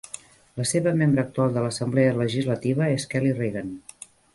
La seva membre actual de l'Assemblea Legislativa és Kelly Regan.